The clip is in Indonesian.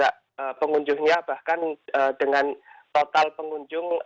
dan juga pengunjungnya bahkan dengan total pengunjung